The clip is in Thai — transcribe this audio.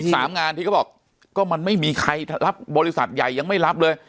สามงานที่เขาบอกก็มันไม่มีใครรับบริษัทใหญ่ยังไม่รับเลย